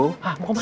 ha mau kemana